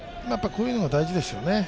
こういうのが大事ですよね。